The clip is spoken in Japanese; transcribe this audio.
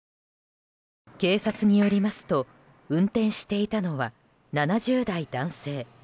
警察によりますと運転していたのは７０代男性。